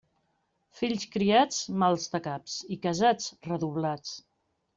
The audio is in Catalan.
Fills criats, mals de caps, i casats, redoblats.